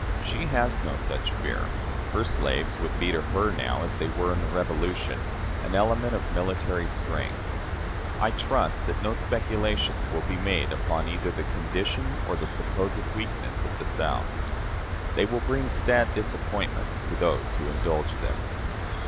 She has no such fear; her slaves would be to her now, as they were in the Revolution, an element of military strength. I trust that no speculations will be made upon either the condition or the supposed weakness of the South. They will bring sad disappointments to those who indulge them.